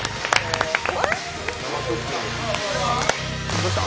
どうした？